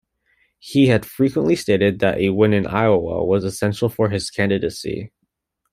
He had frequently stated that a win in Iowa was essential for his candidacy.